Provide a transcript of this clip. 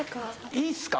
いいっすか？